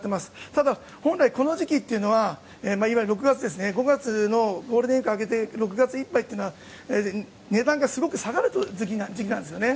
ただ本来この時期というのはいわゆる６月ですね５月のゴールデンウィーク明けて６月いっぱいというのは値段がすごく下がる時期なんですね。